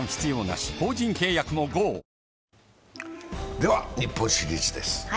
では日本シリーズです。